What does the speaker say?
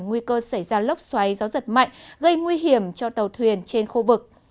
nguy cơ xảy ra lốc xoáy gió giật mạnh gây nguy hiểm cho tàu thuyền trên khu vực